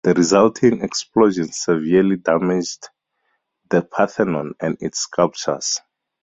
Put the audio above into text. The resulting explosion severely damaged the Parthenon and its sculptures.